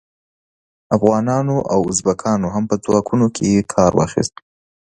افغانانو او ازبکانو هم په ځواکونو کې کار واخیست.